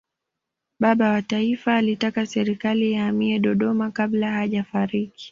baba wa taifa alitaka serikali ihamie dodoma kabla hajafariki